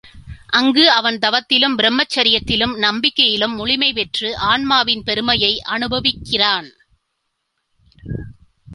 அங்கு அவன் தவத்திலும், பிரமச்சரியத்திலும், நம்பிக்கையிலும் முழுமை பெற்று ஆன்மாவின் பெருமையை அனுபவிக்கிறான்.